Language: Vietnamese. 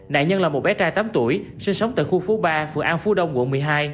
nạn nhân là một bé trai tám tuổi sinh sống tại khu phố ba phường an phú đông quận một mươi hai